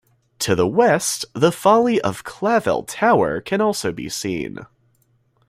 To the west, the folly of Clavell Tower can also be seen.